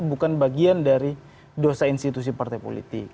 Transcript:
bukan bagian dari dosa institusi partai politik